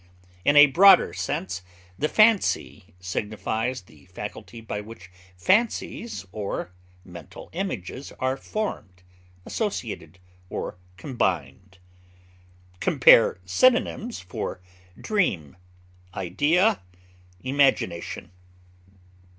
In a broader sense, the fancy signifies the faculty by which fancies or mental images are formed, associated, or combined. Compare synonyms for DREAM; IDEA; IMAGINATION.